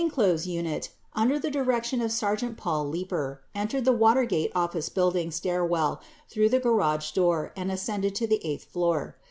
1 ) 3S 687 0 74 3 2 The plainclothes unit, under the direction of Sergeant Paul Leeper,® entered the Watergate Office Building stairwell through the garage door and ascended to the eighth floor.